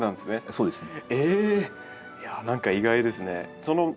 そうですね。